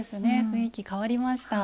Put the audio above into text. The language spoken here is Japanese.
雰囲気変わりました。